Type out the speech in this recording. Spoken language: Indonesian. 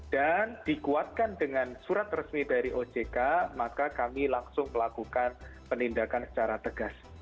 dan dikuatkan dengan surat resmi dari ojk maka kami langsung melakukan penindakan secara tegas